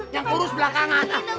yang kurus belakang